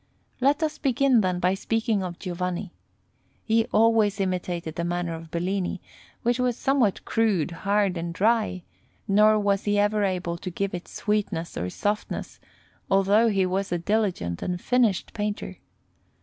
Let us begin, then, by speaking of Giovanni. He always imitated the manner of Bellini, which was somewhat crude, hard, and dry; nor was he ever able to give it sweetness or softness, although he was a diligent and finished painter.